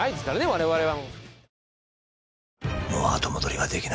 我々は。